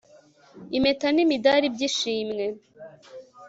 impeta n'imidari by'ishimwe